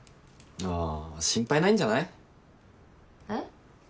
ああ心配ないんじゃない？えっ？